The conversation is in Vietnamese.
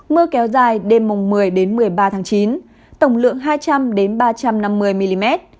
mưa kéo dài đêm mồng một mươi đến một mươi ba tháng chín tổng lượng hai trăm linh đến ba trăm năm mươi mm